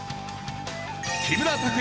木村拓哉